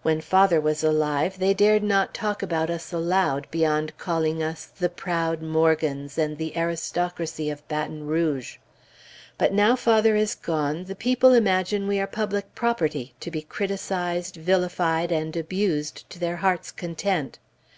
When father was alive, they dared not talk about us aloud, beyond calling us the "Proud Morgans" and the "Aristocracy of Baton Rouge".... But now father is gone, the people imagine we are public property, to be criticized, vilified, and abused to their hearts' content....